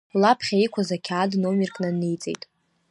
Лаԥхьа иқәыз ақьаад номерк наниҵеит.